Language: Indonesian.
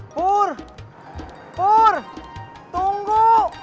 pur pur tunggu